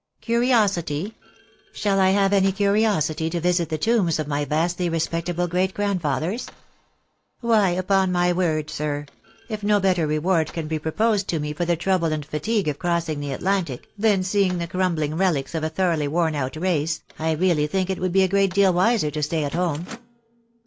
" Curiosity ? Shall I have any curiosity to visit the tombs of my vastly respectable great grandfathers ? Why, upon my word, sir, if no better reward can be proposed to me for the trouble and fatigue of crossing the Atlantic, than seeing the crumbUng rehcs of a thoroughly worn out race, I really think it would be a great deal wiser to stay at home."